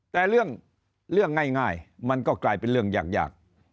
แต่เรื่องง่ายมันก็กลายเป็นเรื่องยาก